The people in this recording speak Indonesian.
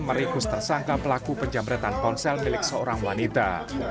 meringkus tersangka pelaku penjamretan ponsel milik seorang wanita